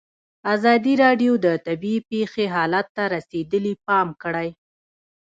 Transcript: ازادي راډیو د طبیعي پېښې حالت ته رسېدلي پام کړی.